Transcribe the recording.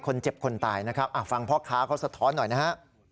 คนเจ็บคนตายนะครับฟังพ่อค้าเขาสะท้อนหน่อยนะฮะ